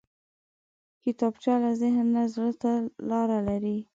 کتابچه له ذهن نه زړه ته لاره لري